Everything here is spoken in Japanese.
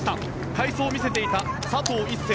快走を見せていた佐藤一世